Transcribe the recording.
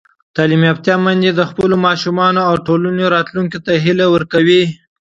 تعلیم یافته میندې د خپلو ماشومانو او ټولنې راتلونکي ته هیله ورکوي.